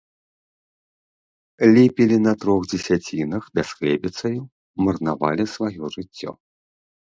Ліпелі на трох дзесяцінах, бясхлебіцаю марнавалі сваё жыццё.